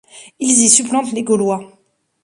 Ils y supplantent les Gaulois.